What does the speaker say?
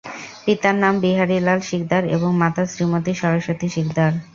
পিতার নাম বিহারী লাল শিকদার এবং মাতা শ্রীমতি সরস্বতী শিকদার।